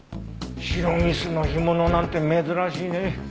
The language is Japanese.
シロギスの干物なんて珍しいね。